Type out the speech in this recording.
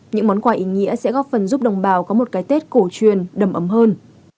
những món quà ý nghĩa sẽ góp phần giúp đồng bào có một cái tết cổ truyền đầm ấm hơn